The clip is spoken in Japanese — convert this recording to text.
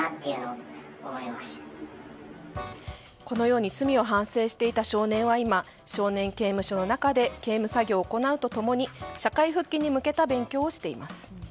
このように罪を反省していた少年は今少年刑務所の中で刑務作業を行うと共に社会復帰に向けた勉強をしています。